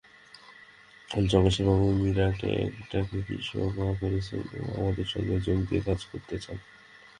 যজ্ঞেশ্বরবাবু মীরাটে একটা কি সভা করেছেন ও আমাদের সঙ্গে যোগ দিয়ে কাজ করতে চান।